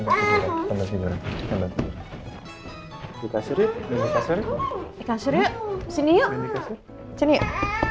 di kasur yuk sini yuk